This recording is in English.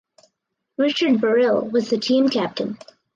Richard Burrill was the team captain.